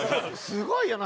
すごいよな。